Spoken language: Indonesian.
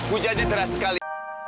ujiannya teras sekali